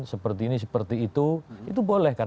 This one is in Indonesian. seperti ini seperti itu itu boleh